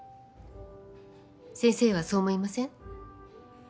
先生はそう思いません？